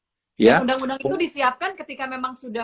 undang undang itu disiapkan ketika memang sudah